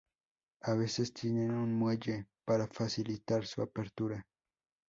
A veces, tienen un muelle para facilitar su apertura.